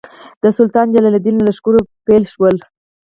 د سلطان جلال الدین له لښکرو بېل شول.